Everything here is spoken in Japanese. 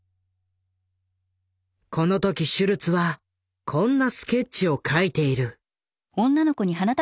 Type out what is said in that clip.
この時シュルツはこんなスケッチを描いている。